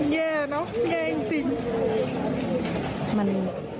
แย่เนอะแย่จริง